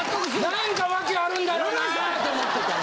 何かワケあるんだろうなと思ってたら。